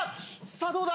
さぁどうだ？